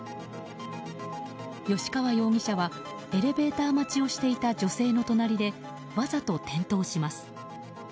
吉川容疑者はエレベーター待ちをしていた女性の隣でわざと転倒します。